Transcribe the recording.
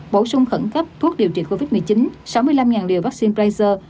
bổ sung khẩn cấp thuốc điều trị covid một mươi chín sáu mươi năm liều vaccine praser